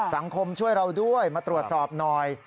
ช่วยเราด้วยมาตรวจสอบหน่อย